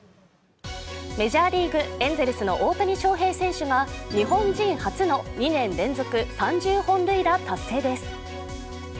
メジャーリーグエンゼルスの大谷翔平選手が日本人初の２年連続３０本塁打達成です。